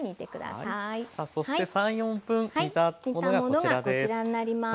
さあそして３４分煮たものがこちらです。